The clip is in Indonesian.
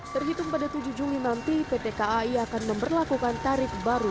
terhitung pada tujuh juli nanti pt kai akan memperlakukan tarif baru